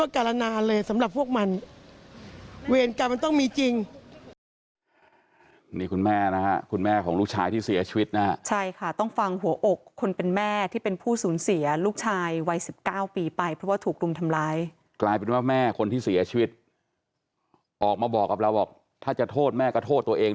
คนเอาไว้ขังชั่วการณาเลยสำหรับพวกมัน